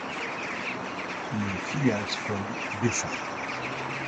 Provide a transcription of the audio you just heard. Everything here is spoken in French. Le Phileas Fogg baissa.